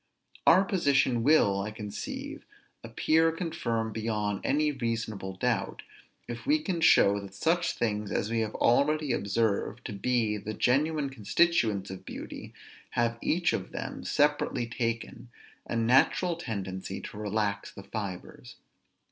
Our position will, I conceive, appear confirmed beyond any reasonable doubt, if we can show that such things as we have already observed to be the genuine constituents of beauty have each of them, separately taken, a natural tendency to relax the fibres.